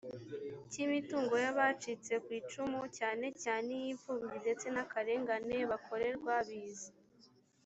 cy imitungo y abacitse ku icumu cyane cyane iy imfubyi ndetse n akarengane bakorerwa biza